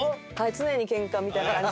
常にケンカみたいな感じ。